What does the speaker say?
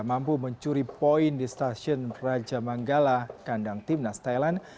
mampu mencuri poin di stasiun raja manggala kandang timnas thailand